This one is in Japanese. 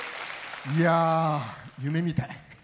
いやー、夢みたい。